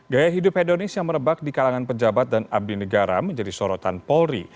gaya hidup hedonis yang merebak di kalangan pejabat dan abdi negara menjadi sorotan polri